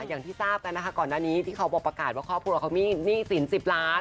อย่างที่ทราบก่อนหน้านี้ที่เค้าประกาศว่าข้อผู้หลังเค้ามีหนี้สิน๑๐ล้าน